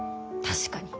確かに。